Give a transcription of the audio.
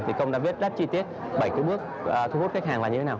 thì công đã biết rất chi tiết bảy cái bước thu hút khách hàng là như thế nào